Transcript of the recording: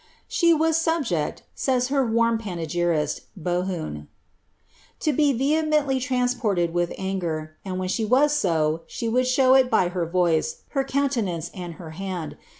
^ She was subject," says her warm panegyrist, Bohun, ^ to be vehe meolly transported with anger ; and when she was so, she would show it by her voice, her countenance, and her hand.